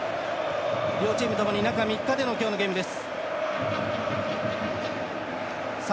両チームともに中３日での今日のゲームです。